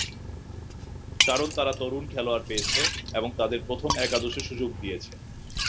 কারণ, তারা তরুণ খেলোয়াড় পেয়েছে এবং তাদের প্রথম একাদশে সুযোগ দিয়েছে।